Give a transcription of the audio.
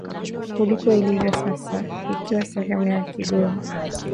kuliko ilivyo sasa ikiwa sehemu ya Kigoma